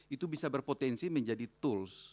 itu bisa berpotensi menjadi tools